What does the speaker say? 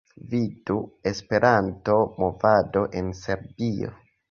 Vidu: "Esperanto-movado en Serbio"